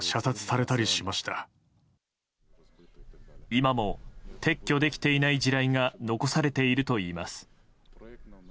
今も撤去できていない地雷が残されているといいます。